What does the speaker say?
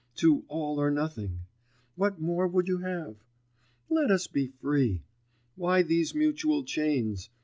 to all or nothing ... what more would you have? Let us be free! Why these mutual chains?